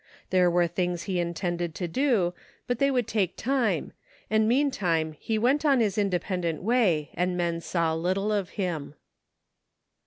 There were things he intended to do^ but they would take time, and meantime he went on his independent way and men saw little of him.